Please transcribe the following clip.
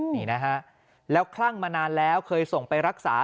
นี่นะฮะแล้วคลั่งมานานแล้วเคยส่งไปรักษา